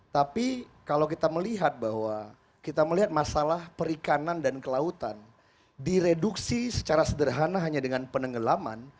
tapi kalau kita melihat bahwa kita melihat masalah perikanan dan kelautan direduksi secara sederhana hanya dengan penenggelaman